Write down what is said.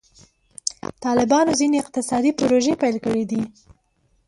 طالبانو ځینې اقتصادي پروژې پیل کړي دي.